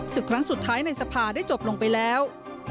ศึกครั้งสุดท้ายในสภาได้จบลงไปแล้ว